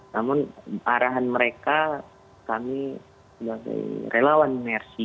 namun arahan mereka kami sebagai relawan mercy